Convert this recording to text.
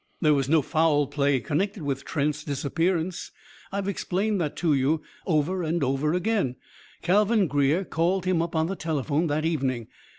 There was no foul play connected with Trent's disappearance. I've explained that to you, over and over. Calvin Greer called him up on the telephone that evening.